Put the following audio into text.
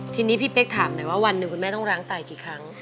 ทีนี้พี่เป๊กถามหน่อยว่าวันหนึ่งคุณแม่ต้องล้างตายกี่ครั้ง